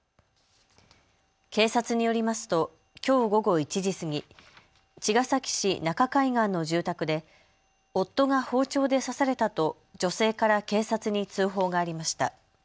警察によりますときょう午後１時過ぎ、茅ヶ崎市中海岸の住宅で夫が包丁で刺されたと女性から警察に通報がありました。